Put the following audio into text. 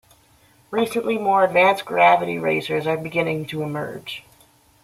Recently, more advanced Gravity racers are beginning to emerge.